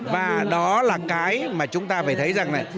và đó là cái mà chúng ta phải thấy rằng là